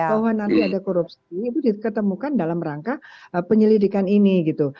bahwa nanti ada korupsi itu diketemukan dalam rangka penyelidikan ini gitu